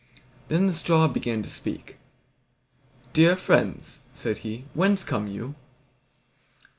Then the straw began to speak. "Dear friends," said he, "whence come you?"